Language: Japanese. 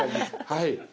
はい。